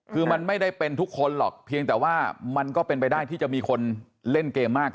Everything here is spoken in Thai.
คือมันไม่ได้เป็นทุกคนหรอกเพียงแต่ว่ามันก็เป็นไปได้ที่จะมีคนเล่นเกมมาก